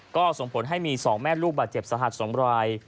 ก็ส่งผลให้มี๒แม่ลูกบาดเจ็บสาหัส๒ราย